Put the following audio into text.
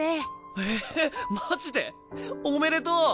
えっマジで⁉おめでとう！